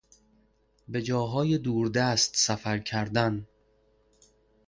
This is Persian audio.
به جاهای دور دست سفر کردن